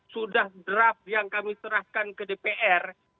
sudah draft yang kami serahkan ke dpr